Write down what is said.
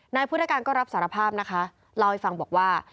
นายพุทธการก็รับสารภาพนะคะเล่าให้ฟังบอกว่า